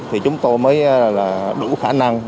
thì chúng tôi mới là đủ khả năng